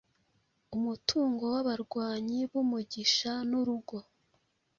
Umutungo wabarwanyi bumugisha nurugo